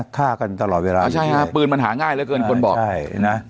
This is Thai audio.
ฆ่ากันตลอดเวลาใช่ฮะปืนมันหาง่ายเหลือเกินคนบอกใช่นะ